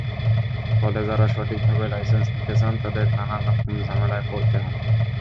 ফলে যাঁরা সঠিকভাবে লাইসেন্স নিতে চান, তাঁদের নানা রকম ঝামেলায় পড়তে হয়।